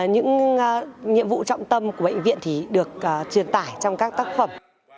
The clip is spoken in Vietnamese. những nhiệm vụ trọng tâm của bệnh viện thì được truyền tải trong các tác phẩm